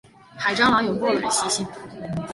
海蟑螂有抱卵的习性。